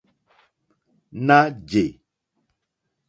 Ná jè.